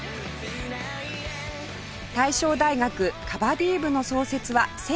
大正大学カバディ部の創設は１９９３年